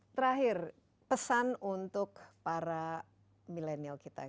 terakhir pesan untuk para milenial kita